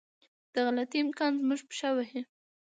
د غلطي امکان زموږ پښه وهي.